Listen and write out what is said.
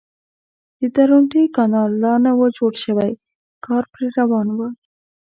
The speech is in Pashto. د درونټې کانال لا نه و جوړ شوی کار پرې روان و.